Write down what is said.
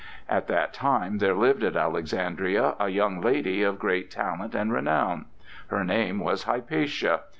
At that time there lived at Alexandria a young lady of great talent and renown. Her name was Hypatia.